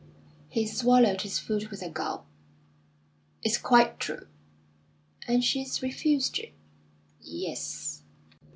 He swallowed his food with a gulp. "It's quite true." "And she's refused you?" "Yes!"